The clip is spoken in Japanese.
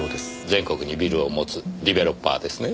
全国にビルを持つディベロッパーですね。